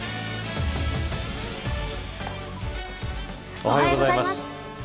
おはようございます。